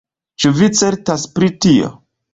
Ĉu vi certas pri tio?